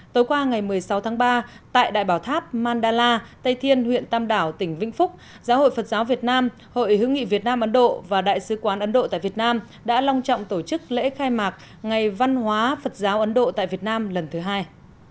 tối qua ngày một mươi sáu tháng ba tại đại bảo tháp mandala tây thiên huyện tam đảo tỉnh vĩnh phúc giáo hội phật giáo việt nam hội hữu nghị việt nam ấn độ và đại sứ quán ấn độ tại việt nam đã long trọng tổ chức lễ khai mạc ngày văn hóa phật giáo ấn độ tại việt nam lần thứ hai